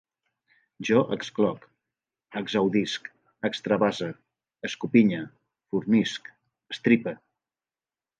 Jo excloc, exaudisc, extravase, escopinye, fornisc, estripe